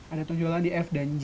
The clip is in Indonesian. ada tonjolan di f dan j